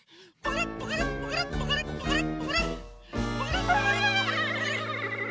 パカラッパカラッパカラッパカラッ。